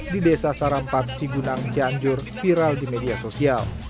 di desa sarampak cigunang cianjur viral di media sosial